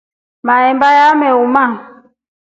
Maemba yameoma.